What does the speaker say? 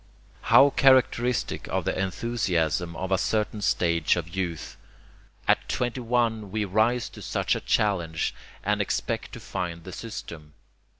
How characteristic of the enthusiasm of a certain stage of youth! At twenty one we rise to such a challenge and expect to find the system.